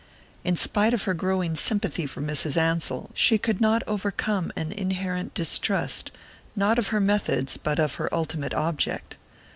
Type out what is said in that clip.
In spite of her growing sympathy for Mrs. Ansell she could not overcome an inherent distrust, not of her methods, but of her ultimate object.